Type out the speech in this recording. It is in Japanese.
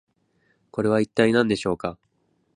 これは一体何でしょうか？